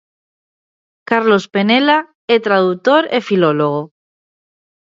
Carlos Penela é tradutor e filólogo.